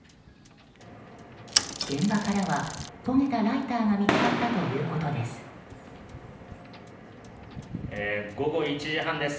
現場からは焦げたライターが見つかったということです。